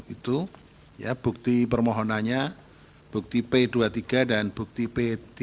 itu bukti permohonannya bukti p dua puluh tiga dan bukti p tiga